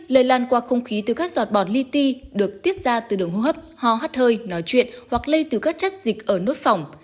lây lan qua không khí từ các giọt bọt ly ti được tiết ra từ đường hô hấp hò hắt hơi nói chuyện hoặc lây từ các chất dịch ở nốt phòng